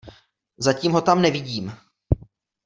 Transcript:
Zatím ho tam nevídím.